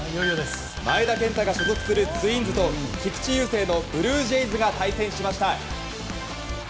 前田健太が所属するツインズと菊池雄星のブルージェイズが対戦しました。